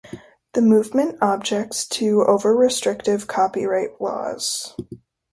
The movement objects to over-restrictive copyright laws.